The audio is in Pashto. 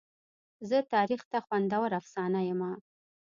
زه تاریخ ته خوندوره افسانه یمه.